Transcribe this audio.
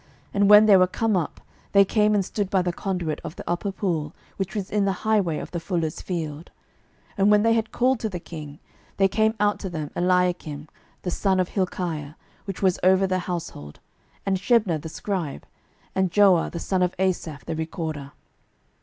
And when they were come up, they came and stood by the conduit of the upper pool, which is in the highway of the fuller's field. 12:018:018 And when they had called to the king, there came out to them Eliakim the son of Hilkiah, which was over the household, and Shebna the scribe, and Joah the son of Asaph the recorder.